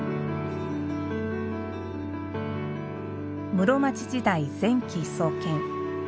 室町時代前期創建。